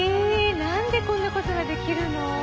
何でこんなことができるの。